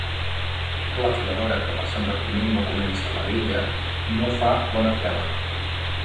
La filadora que per Sant Bartomeu no comença la vetlla no fa bona tela.